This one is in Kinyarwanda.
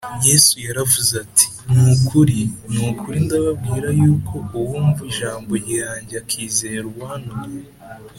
Yesu yaravuze ati, “Ni ukuri, ni ukuri ndababwira yuko uwumva ijambo ryanjye akizera uwantumye